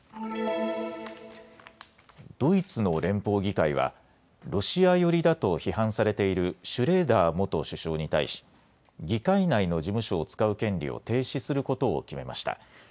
ドイツの連邦議会はロシア寄りだと批判されているシュレーダー元首相に対し議会内の事務所を使う権利を停止することを決めました。